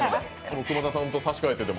久間田さんと差し替えてでも？